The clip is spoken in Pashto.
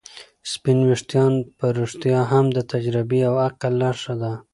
سپین ويښتان په رښتیا هم د تجربې او عقل نښه ده.